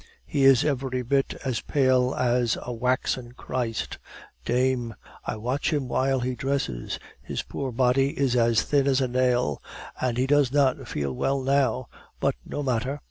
He is every bit as pale as a waxen Christ. Dame! I watch him while he dresses; his poor body is as thin as a nail. And he does not feel well now; but no matter.